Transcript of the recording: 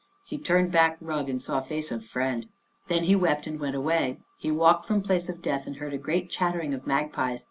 He turn back rug and saw face of friend. Then he wept and went away. He walked from place of death and heard a great chattering of magpies.